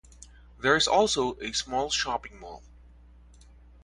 There is also a small shopping mall.